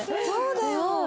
そうだよ！